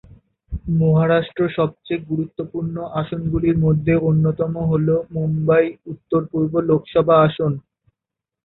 মহারাষ্ট্র সবচেয়ে গুরুত্বপূর্ণ আসনগুলির মধ্যে অন্যতম হল মুম্বাই উত্তর পূর্ব লোকসভা আসন।